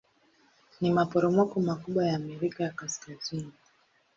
Ni maporomoko makubwa ya Amerika ya Kaskazini.